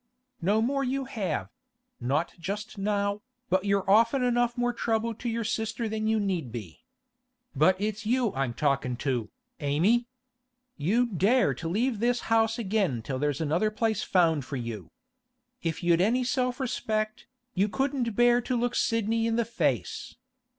'No more you have—not just now, but you're often enough more trouble to your sister than you need be. But it's you I'm talkin' to, Amy. You dare to leave this house again till there's another place found for you! If you'd any self respect, you couldn't bear to look Sidney in the face.